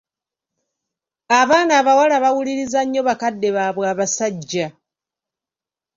Abaana abawala bawuliriza nnyo bakadde baabwe abasajja.